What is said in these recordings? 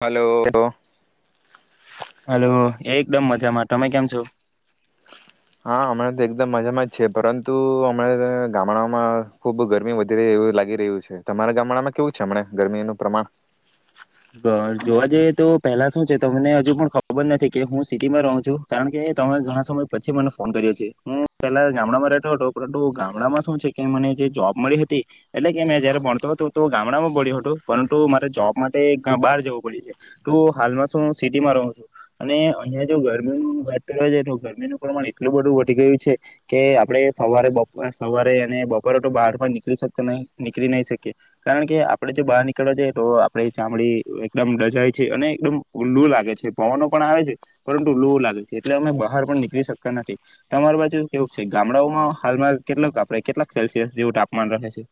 Hello hello એક. એકદમ મજામાં તમે કેમ છો. હા હમણાં તો એકદમ મજામાં જ છે પરંતુ હમણાં ગામડામાં ખુબ ગરમી વધી રહી એવું લાગી રહ્યું છે તમારા ગામડામાં કેવું છે હમણા ગરમીનું પ્રમાણ ઘ જોવા જઈએ તો પહેલા શું છે તમને હજુ પણ ખબર જ નથી કે હું સિટીમાં રહું છું કારણ કે તમે ઘણા સમય પછી મને ફોન કર્યો છે હું પહેલા ગામડામાં રહેતો હતો પરંતુ ગામડામાં શું છે કે મને જે જોબ મળી હતી એટલે કે મેં જયારે ભણતો હતો તો ગામડામાં ભ્યું હતું પરંતુ મારા જોબમાં આપણે બહાર જવું પડે છે તો હાલમાં શુંું સિટીમાં રહું છું અને અહિયાયા જો ગરમી વાત કરવા જ તો ગરમીનું પ્રમાણ એટલું બધું વધી ગયું છે કે આપડણે સવારે બપ સવારે અને બપોરે તો બહાર પણ નીકળી શકતો ન નીકળી ન શકીએ કારણ કે આપડે જો બહાર નીકળવા જઈએ તો. આપ ચામડી એકદમ રજાય છે અને એકદમ લુ લાગે છે પવનો પણ આવે છે પરંતુ લુ લાગે છે એટલે અમે બહાર પણ નીકળી શકતા નથી અમારી બાજુ કેવું છે ગામડાઓમાં હાલમાં કેટલાક આપણે કેટલાક સેલ્સિયસ જેવું તાપમાન રહે છે.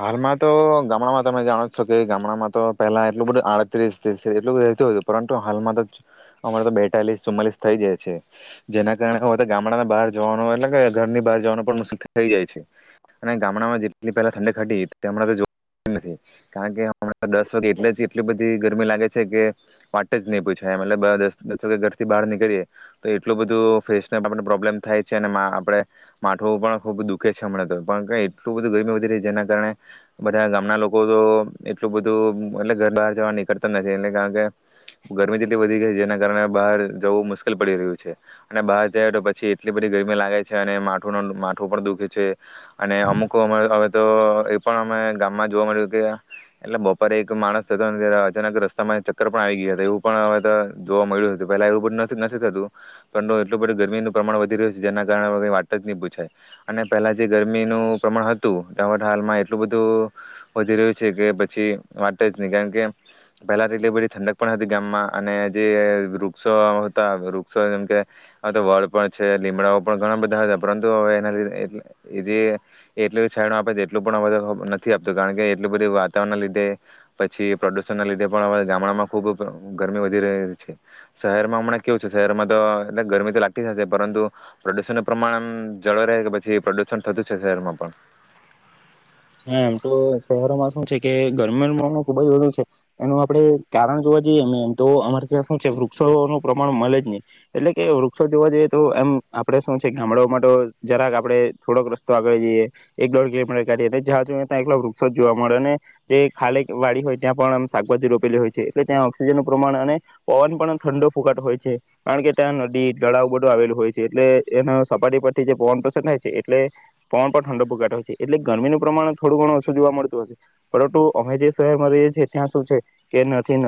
હાલમાં તો ગામડામાં તમે જાણો જ છો કે ગામડામાં તો પલા એટલું બધું આડત્રીસ એટલુંધું રહેતી હોય હતું પરંતુ હાલમાં તો અમારે તો બેતાલીસ ચુમ્માલીસ થઈ જાય છે જેના કારણે ગામડામાં બહાર જવાનું એટલે કે ઘરની બહાર જવાનું પણ મુશ્કેલ થઈ જાય છે અને ગામડામાં જેટલી પહેલા ઠંડી. ઘટી હણાં જો નથી કારણ કેણાં દસ વાગે એટલે જ એટલી બધી ગરમી લાગે છે કે વાટ જ નહી પૂછાય એટલે દસ દસ વાગે ઘરથી બહાર નીકળીએ તો એટલું બધું ફેસને આપને પ્રોબ્લેમ થાય છે અને આપે માઠવ પણ ખૂબ દુખે છે હમણાં તો પણ એટલું બધું ગરમી વધી ર છે જેના. બધા ગામના લોકો તો એટલું બધું એટલે ઘર બહાર જવા નીકળતા નથી એટલે કારણ કે ગરમી તેટલી બધી ગઈ જેના કારણે બહાર જવું મુશ્કેલ પડી રહ્યું છે અને બહાર જાય તો પછી એટલી બધી ગરમી લાગે છે અને માું ન માઠું પણ દુખે છે અને અમુક હવે તો. એ પણ અમે ગામમાં જોવા મળ્યું કે એટલે બપોરે એક માણસ થતો ત્યારે અચાનક રસ્તામાં ચક્કર પણ આવી ગયા હતા એવું પણ હવે જોવા મળ્યું હતું પહેલા એવું બધું નથી થતું પરંતુ એટલું બધું ગરમીનું પ્રમાણ વધી રહ્યું છે જેના કારણે કઈ વાત જ નહી પૂછાય અને પહેલા જે ગરમીનું પ્રમાણ હતું એ. હાલમાં એટલું બધું વધી રહ્યું છે કે પછી વાત જ નહી કારણ કે પહેલા તો એટલી બધી ઠંડક પણ હતી ગામમાં અને જે વૃક્ષો હતા વૃક્ષો જેમ કે તો વડ પણ છે લીમડાઓ પણ ઘણા બધા હતા પરંતુ હવે એના લધે જે એટ છાય આપે. એટલું પણ નથી આપતું કારણ કે એટલું બધું વાતાવરણના લીધે પછી પ્રદુષણના લીધે પણ ગામડામાં ખુબ ગરમી વધી રહી છે શહેરમાં હમણાં કેવું છે શહેરમાં તો એ ગરમી તો લાગતી જશે પરંતુ પ્રદુષણ ન પ્રમાણમ જળ રહે કે પછી પ્રદુષણ થતું છે શહેરમાં પણ. હા એમ તો શહેરોમાં શું છે કે ગરમીનુંું ખુબ જ વધુ છે એનું આપડણે કારણ જોવા જઈએ એમ તો અમારે ત્યાં શું છે વૃક્ષોનું પ્રમાણ મળે જ નહી એટલે કે વૃક્ષો જોવા જઈએ તો એમ આપડે શું છે ગામડાઓ માટે જરાક આપડણે થોડોક રસ્તો આગળ જઈએ એક દોઢ કિલોમીટર કાઢીએ. જ જો ત્યા એકલા વૃક્ષો જ જોવા મળે અને જે ખાલી વાડી હોય ત્યાં પણ શાકભાજીોપેલી હોય છે એટલે ત્યાં ઓક્સિજનનુંું પ્રમાણ અને પવન પણ ઠંડો ફુકાટ હોય છે કારણ કે ત્યાં નદી તળાવ બધું આવેલું હોય છે એટલે એના સપાટી પરથી જે પવન પસંદ થાય છે એટલે પવન પણ ઠંડો ફુકાટ હોય છે એટલે ગરમીનું. પ્રમાણે થોડું ઘણું ઓછું જોવા મળતું હશે પરંતુ અમે જે શહેર મળરીએ છીએ ત્યાં શું છે કે નથી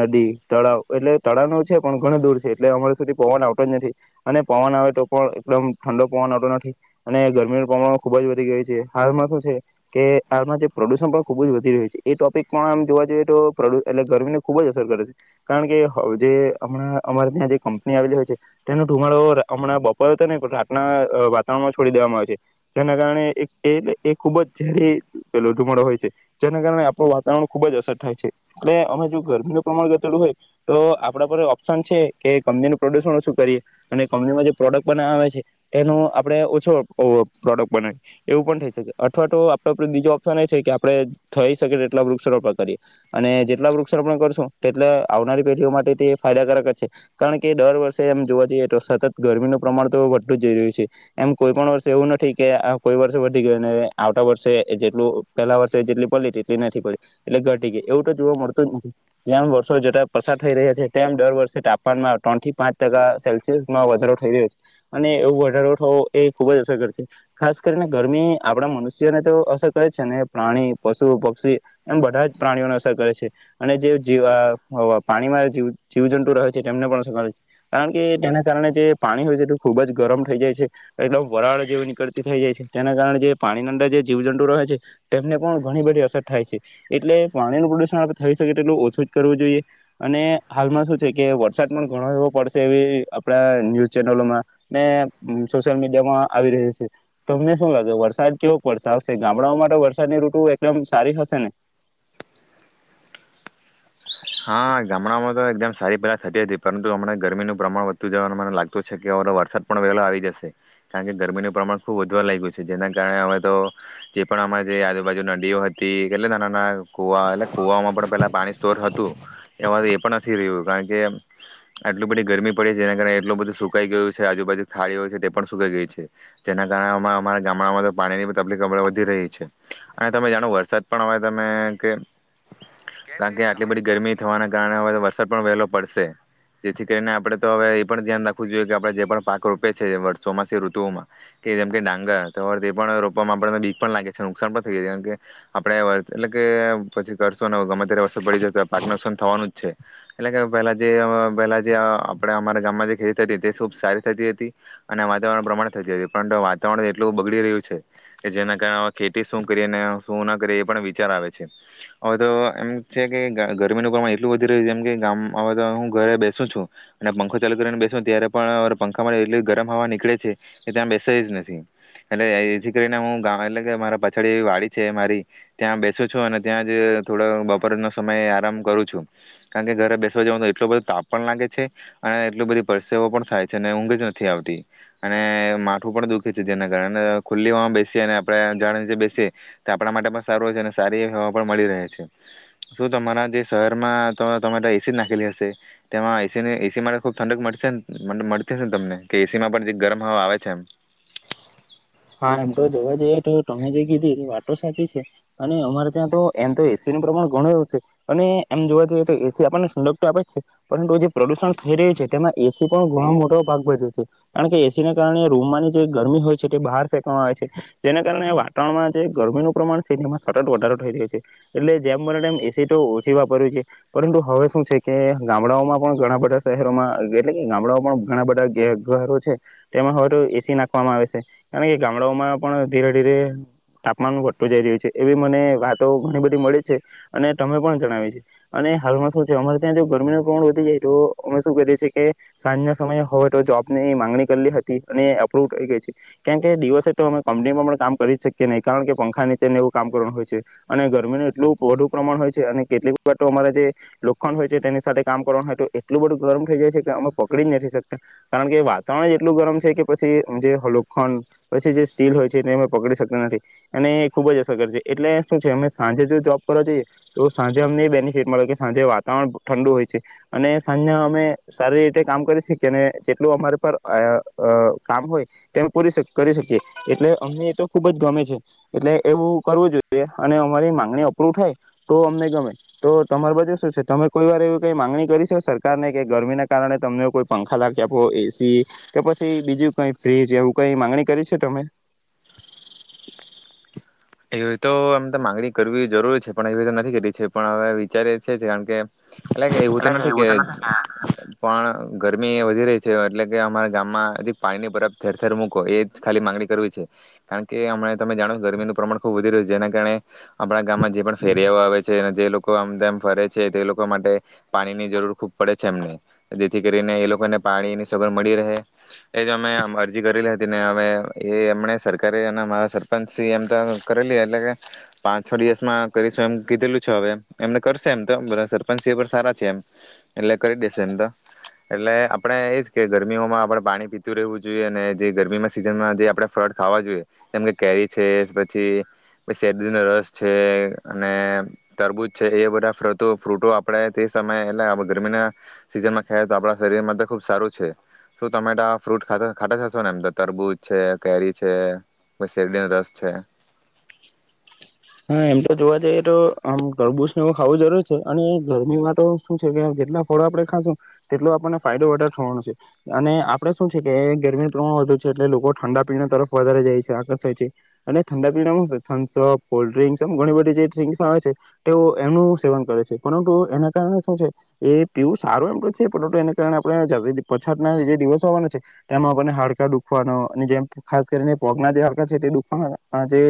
નદી તળાવ એટલે તળાવ ન છે પણ ઘણ દૂર છે એટલે અમારે સુધી પવન આવતો જ નથી અને પવન આવે તો પણ એકદમ ઠંડો પવન આવતો નથી અને ગરમીનું પ્રમાણ ખુબ જ વધી ગયું છે હાલમાં શું છે. કે આના જે પ્રદુષણ પણ ખૂબ જ વધી રહ્યું છે એ ટોપિક પણ આમ જોવા જોઈએ તો એટલે ગરમીને ખુબ જ અસર કરે છે કારણ કે જે હમણાં અમારે ત્યાં જે કંપની આવેલી હોય છે તેનો ધુમાડો હમણાં બપોરે હતો ને રાતના વાતાવરણમાં છોડી દેવામાં આવે છે જેના કારણે એ એ ખૂબ જ. જ પેલો ધુમડો હોય છે જેના કારણે આપણું વાતાવરણ ખુબ જ અસર થાય છે એટલે અમે જો ગરમીનું પ્રમાણ ઘલું હોય તો આપણા પર ઓપ્શન છે કે કંપનીનું પ્રોડ્યુસન ઓછું કરીએ અને કંપનીમાં જે પ્રોડક્ટ બનાવ આવે છે એનો આપણે ઓછો પ્રોડક્ટ બનાવીએ એવું પણ થઈ શકે. અવા તો આપ બીજો ઓપ્શન એ છે કે આપડણે થઈ શકીએ તેટલા વૃક્ષારોપણ કરીએ અને જેટલા વૃક્ષારોપણ કરશું તેટલા આવનારી પેઢીઓ માટે તે ફાયદાકારક જ છે કારણ કે દર વર્ષે એમ જોવા જઈએ તો સતત ગરમીનું પ્રમાણ તો વધતું જઈ રહ્યું છે એમ કોઈ પણ વર્ષે એવું નથી કે આ કોઈ વર્ષે વધી ગય. આવતા વ જેટલું પેલા વર્ષે જેટલી પડ તેટલી નથી પડી એટલે ઘટી ગ એવું તો જોવા મળતું જ નથી જેમ વર્ષો જટ પસાર થઈ રહ્યા છે તેમ દર વર્ષે તાપમાનમાં ત્રણ થી પાંચ ટકા સેલ્સિયસમાં વધારો થઈ રહ્યો છે અને એવો વધારો થવો એ ખુબ જ અસરગ છે ખાસ કરીને ગરમી આપણા મનુષ. તો અસર કરે છે ને પ્રાણી પશુ પક્ષી એમ બધા જ પ્રાણીઓને અસર કરે છે અને જે જી પાણીમાં જીવજંતુ રહે છે તેમને પણ અસર કરે છે કારણ કે તેના કારણે જે પાણી હોય છે તે ખુબ જ ગરમ થઈ જાય છે એકદમ વરાળ જેવ નીકળતી થઈ જાય છે તેના કારણે જે પાણીની અંદર. જે જીવજંતુ રહે છે તેમને પણ ઘણી બધી અસર થાય છે એટલે પાણીનું પ્રદુષણ આપ થઈ શકે તેટલું ઓછું જ કરવું જોઈએ અને હાલમાં શું છે કે વરસાદ પણ ઘણો એવો પડશે એવી આપણા ન્યૂઝ ચેનલોમાં ને સોશિયલ મીડિયામાં આવી રહ્યો છે તમને શું લાગે વરસાદ કેવો. વરસાશે ગામડાઓ માટે વરસાદની ઋતુ એકદમ સારી હશે ને. હા ગામડામાં તો એકદમ સારી પહેલા થતી હતી પરંતુ હમ ગરમીનું પ્રમાણ વધતું જવાનું મને લાગતું છે કે હ વરસાદ પણ વહેલો આવી જશે કારણ કે ગરમીનું પ્રમાણ ખુબ વધુ લાગ ગયું છે જેના કારણે હવે તો જે પણ અમા જે આજુબાજુ નદીઓ હતી કેટલે નાના નાના. કુવા એટલે કુવામાં પણ પેલા પાણી સ્તોર હત. એ એ પણ નથી રહ્યું કારણ કે આટલી બધી ગરમી પડી છે જેના કારણે એટલું બધું સુકાઈ ગયું છે આજુબાજુ ખાડી હોય છે તે પણ સુકાઈ ગઈ છે જેના કારણે અમારા ગામડામાં તો પાણીની તકલીફ વધી રહી છે અને તમે જાણો વરસાદ પણ હવે તમે કે. ગા કે્યા. એટલી બધી ગરમી થના કારણે હવે વરસાદ. પણ વહેલો પડશે જેથી કરીને આપડે તો હવે એ પણ ધ્યાન રાખવું જોઈએ કે આપડણે જે પણ પાક રોપે છે વર્ષોમાંથી ઋતુઓમાં કે જેમ કે ડાંગર તો વર્ એ પણ રોપમાં આપને બીખ પણ લાગે છે નુકસાન પણ થઈ જાય છે કેમ કે આપડે વર્ એટલે કે પછી કરશો ને ગમે ત્યારે વરો પડી જ. પાક નુકસાન થવાનું જ છે એટલે કે પહેલા જે પહેલા જે આપણે અમારા ગામમાં જે ખેતી થતી હતી તે ખુબ સારી થતી હતી અને વાતાવરણ પ્રમાણ થતી હતી પર વાતાવરણ એટલું બગડી રહ્યું છે કે જેના કારણેવે ખેતી શું કરીએ શું ના કરીએ એ પણ વિચાર આવે છે હવે તો એમ છે. ગરમીનું પ્રમા એટલું વધી રહ્યું છે જેમ કે ગામ આવે તો હું ઘરે બેસું છું અને પંખો ચાલુ કરીને બેસુ ત્યારે પણ પંખામાં એટલી ગરમ હવા નીકળે છે કે ત્યાં બેસે જ નથી એટલે એથી કરીને હું એટલે કે મારા પાછાડી વાડી છે મારી ત્યાં બેસું છું અને ત્યાં જ થોડો બપર. સમ આરામ કરું છું કારણ કે ઘરે બેસવા જવાનું તો એટલો બધો તાપ પણ લાગે છે અને એટલી બધી પરસેવો પણ થાય છે અને ઊંઘ જ નથી આવતી અને માઠું પણ દુખે છે જેના કારણે ખુલ્લી બેસીએ અને આપણે જાણ નીચે બેસીએ તો આપણા માટે પણ સારું હોય છે અને સારી એ હવા પણ મળી રહે છે. શું તમારા જે શહેરમાં તો તમારે એસી જ નાખેલી હશે તેમાં એસી એસી માટે ખુબ ઠંડક મળને મળતી હશે ને તમને કે એસી માં પણ જે ગરમ હવા આવે છે એમ. હા એમ તો જોવા જઈએ તો તમે જે કીધી એ વાતો સાચી છે અને અમારે ત્યાં તો એમ તો એસીનુંું પ્રમાણ ઘણુંું છે અને એમ જોવા જઈએ તો એસી આપણને સુંડગ્ટ આપે જ છે પરંતુ જે પ્રદુષણ થઈ રહ્યું છે તેમાં એસી પણ ઘણ મોટો ભાગ ભજ્યો છે કારણ કે એસીને કારણે રૂમ ની જે ગરમી હોય છે તે બહાર. આવે જેના કારણે વાતાવરણમાં જે ગરમીનું પ્રમાણ છે તેમાં સતત વધારો થઈ રહ્યો છે એટલે જેમમ એસી તો ઓછી વાપર્યું છે પરંતુ હવે શું છે કે ગામડાઓમાં પણ ઘણા બધા શહેરોમાં એટલે કે ગામડાઓ પણ ઘણા બધા ઘરો છે તેમાં હવે તો એસી નાખવામાં આવે છે. કારણ કે ગામડાઓમાં પણ ધીરે ધીરે તાપમાન વધતતો જઈ રહ્યો છે એવી મને વાતો ઘણી બધી મળે છે અને તમે પણ જણાવી છે અને હાલમાં શું છે અમારે ત્યાં જો ગરમીનું પ્રમાણ વધી જાય તો અમે શું કરીએ છીએ કે સાંજના સમયે હોવે તો જોબ ની માંગણી કરલી હતી અને અપ્રુવ થઈ ગઈ છે. કેમ કે દિવસે તો અમે કંપનીમાં પણ કામ કરી જ શકીએ નહીં કારણ કે પંખા નીચે ને એવું કામ કરવાનું હોય છે અને ગરમીનું એટલું વધુ પ્રમાણ હોય છે અને કેટલીક તો અમારે જે લોખંડ હોય છે તેની સાથે કામ કરવાનું હોય તો એટલું બધું ગરમ થઈ જાય છે કે અમે પકડી જ નથી શકતા કારણ કે વાતાવરણ એટલું ગરમ છે કે પછી જે. ખંડ પછી જે સ્ટીલ હોય છે એને અમે પકડી શકતા નથી અને એ ખુબ જ અસરત છે એટલે શું છે અમે સાંજે જો જોબ કરવા જોઈએ તો સાંજે અમને બેનિફિટ મળે કે સાંજે વાતાવરણ ઠંડુ હોય છે અને સાંજે અમે સારી રીતે કામ કરી શકીએ અને જેટલું અમારે પર કામ હોય. તેમ પૂરી કરી શકીએ એટલે અમને એ તો ખુબ જ ગમે છે એટલે એવું કરવું જોઈએ અને અમારી મામાંગણી અપ્રુવ થાય તો અમને ગમે તો તમારા બાજુ શું છે તમે કોઈ વાર એવી કઈ મામાંગણી કરી શ સરકારને કે ગરમીના કારણે તમને કોઈ પંખા લાગે આપો એસી કે પછી બીજું કઈ ફ્રીજ. જે હું કઈ મામાંગણી કરી છે તમે. એવી તો આમ તો મામાંગણી કરવી જરૂર છે પણ એવી તો નથી કરી છે પણ હવે વિચારે છે કારણ કે. એટલે કે એવું તો નથી કે પણ. ગરમી એ વધી રહી છે એટલે કે અમારા ગામમાં પાણીની બર ઠેર ઠેર મૂકો એ જ ખાલી માંગણી કરવી છે કારણ કે હમ તમે જાણો ગરમીનું પ્રમાણ. ખૂબ વધી્યો છે જેના કારણે. આપણા ગામમાં જે પણ ફેરિયાઓ આવે છે અને જે લોકો આમમ ફરે છે. છે તે એ લોકો માટે પાણીની જરૂર ખૂબ પડે છે એમને જેથી કરીને એ લોકોને પાણીની સગડ મળી રહે એ જ અમે અરજી કરેલી હતી ને અમે એ એમને સરકારેરા સરપંચ એમ. કરેલી એટલે કે પાંચ છ દિવસમાં કરીશું એમ કીધેલું છે હવે એમને. કરશે એમ તો સરપંચ એ પણ સારા. જેમ. એટલે કરી દેશે એમ તો. એટલે આપડે એજ કે ગરમીઓમાં આપડે પાણી પીતું રહેવું જોઈએ અને જે ગરમીમાં સિઝનમાં જે આપડણે ફળ ખાવા જોઈએ જેમ કે કેરી છે. પછી શેર નો રસ છે અને. તરબૂજ છે એ બધા ફ્રૂટો આપણે તે સમયે એટલે ગરમીના સીઝન માં ખાયએ તો આપણા શરીરમાં ખુબ સારું છે શું તમેટ ફ્રૂટ ખાતાા થશો ને એમ. તરબુજ. છે કેરી છે પછી શેરડીનો રસ છે. હા એમ તો જોવા જઈએ તો આમ તરબૂચ ને એવું ખાવું જરૂર છે અને ગરમીમાં તો શું છે કે જેટલા ફળો આપડે ખાશું તેટલો આપણને ફાયદો વધારે થવાનો છે અને આપડે શું છે કે ગરમીનું પ્રમાણ વધુ છે એટલે લોકો ઠંડા પીણા તરફ વધારે જાય છે આકર્ષાય છે અને ઠંડા પી શ. કોલ્ડ્રીન્ક એમ ઘણી બધી જે ડ્રીસ આવે છે તે એમનું સેવન કરે છે પરંતુ એના કારણે શું છે એ પીવું સારું એમ છે પરંતુ એના કારણે આપણે પછાતના જે દિવસો આવવાના છે તેમાં આપને હાડકા દુખવાનો અને જેમ ખાસ કરીને પગના જે હાકા છે તે દુખવાના જે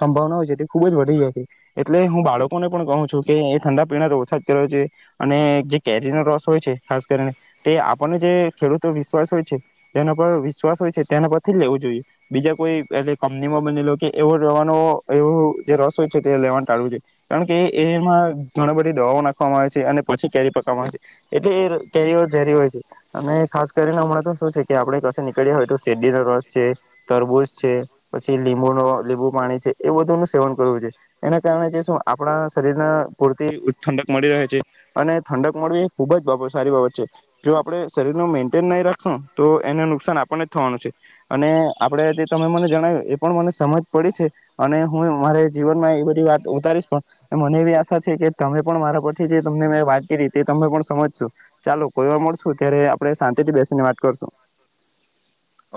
સંભાવના હોય છે. એટલે હું બાળકોને પણ કહું છું કે એ ઠંડા પીણા રોસાદ કર્યો છે અને જે કેરીનો રસ હોય છે ખાસ કરીને તે આપણને જે ખેડૂતો વિશ્વાસ હોય છે જેના પર વિશ્વાસ હોય છે તેના પરથી લેવું જોઈએ બીજા કોઈ એટ કંપનીમાં બનેલો કે એવો રવાનો એવો. જે રસ હોય છે તે લેવાનું ટાળવું જોઈ કારણ કે એમાં ઘણા બધી દવાઓ નાખવામાં આવે છે અને પછી કેરી પકવામાં આવે છે એટલે એ કેરીઓ ઝરી હોય છે અને ખાસ કરીને હમણાં તો શું છે કે આપણે ક નીકળ્યા હોય તો શેરડીનો રસ છે તરબૂજ છે પછી લીંબુ ન લીંબુ પાણી છે એ બધું ન. સેવન કરવું જોઈએ એના કારણે જે શું આપણા શરીરને પૂરતી ઠંડક મળી રહે છે અને ઠંડક મળવી એ ખૂબ જ સારી બાબત છે જો આપણે શરીરનું મેન્ટેન નહીં રાખશું તો એને નુકસાન આપણને જ થવાનું છે અને આપણે જે તમે મને જણાવ્યું એ પણ મને સમજ પડી છે અને. હું મારે જીવન માં એ બધી વાત ઉતારીશ પણ મને એવી આશા છે કે તમે પણ મારા પછી જે તમને મે વાત કરી તે તને પણ સમજશું ચાલો કોઈ વાર મળશું ત્યારે આપણે શાંતિથી બેસીને વાત કરશું.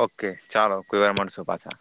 ઓકે ચાલો કોઈ વાર મળશો પાછા.